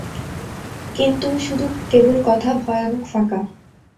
কিন্তু, শুধু কেবল কথা ভয়ানক ফাঁকা।